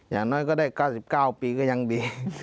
อย่างน้อยก็ได้๙๙ปีก็ยังดี